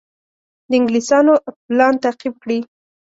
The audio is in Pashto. د انګلیسیانو پلان تعقیب کړي.